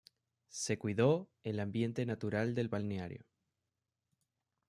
Se cuidó el ambiente natural del balneario.